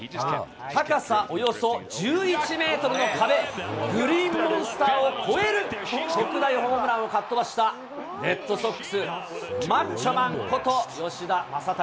高さおよそ１１メートルの壁、グリーンモンスターを越える特大ホームランをかっ飛ばしたレッドソックス、マッチョマンこと、吉田正尚。